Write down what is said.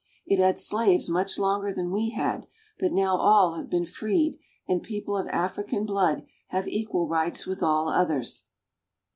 It had slaves much longer than we had, but now all have been freed, and peo ple of African blood have equal rights with all others.